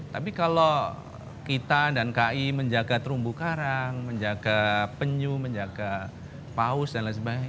tapi kalau kita dan kai menjaga terumbu karang menjaga penyu menjaga paus dan lain sebagainya